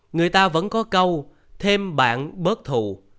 người ta vẫn có câu thêm bạn bớt thù